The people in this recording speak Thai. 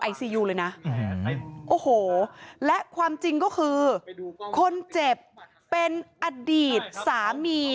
ซียูเลยนะโอ้โหและความจริงก็คือคนเจ็บเป็นอดีตสามี